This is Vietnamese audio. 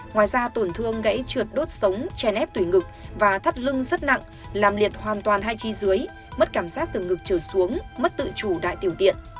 ngoài ra tổn thương gãy trượt đốt sống chèn ép tùy ngực và thắt lưng rất nặng làm liệt hoàn toàn hai chi dưới mất cảm giác từ ngực trở xuống mất tự chủ đại tiểu tiện